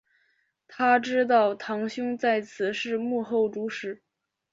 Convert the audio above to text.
她知道堂兄在此事幕后主使。